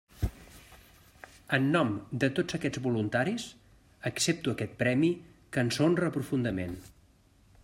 En nom de tots aquests voluntaris accepto aquest premi que ens honra profundament.